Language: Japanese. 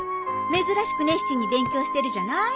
珍しく熱心に勉強してるじゃない。